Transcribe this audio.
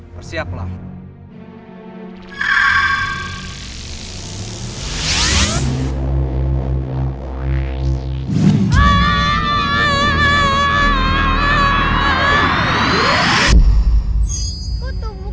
aku akan memberikan tenaga dalam kepada kalian